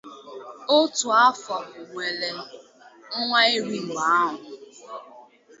Otu afo nwela onwa iri mgbe ahu.